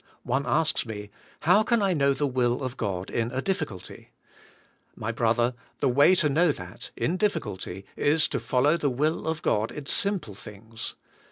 One asks me, How can I know the will of God in a diffi culty ? My brother, the way to know that, in diffi culty is to follow the will of God in simple things.